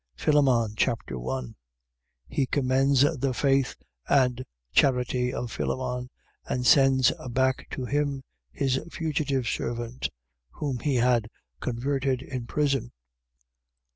Philemon Chapter 1 He commends the faith and charity of Philemon; and sends back to him his fugitive servant, whom he had converted in prison.